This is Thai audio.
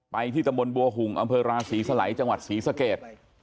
ที่ตำบลบัวหุ่งอำเภอราศรีสลัยจังหวัดศรีสเกต